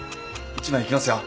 １枚いきますよ。